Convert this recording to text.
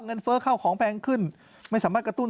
เฟ้อเข้าของแพงขึ้นไม่สามารถกระตุ้น